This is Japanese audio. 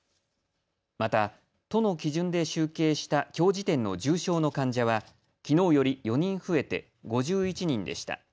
また、都の基準で集計したきょう時点の重症の患者はきのうより４人増えて５１人でした。